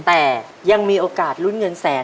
แต่ยังมีโอกาสลุ้นเงินแสน